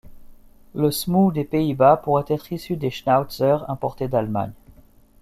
Le smous des Pays-Bas pourrait être issu de schnauzers importés d'Allemagne.